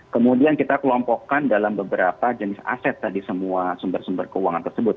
kemudian kita kelompokkan dalam beberapa jenis aset tadi semua sumber sumber keuangan tersebut